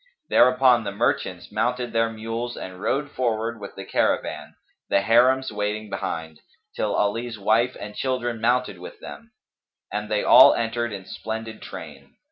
Thereupon the merchants mounted their mules and rode forward with the caravan, the Harims waiting behind, till Ali's wife and children mounted with them; and they all entered in splendid train.